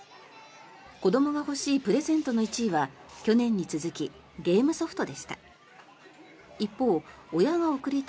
子どもが欲しいプレゼントの１位は去年に続きゲームソフトでした。